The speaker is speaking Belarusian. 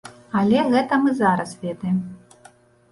Але гэта мы зараз ведаем.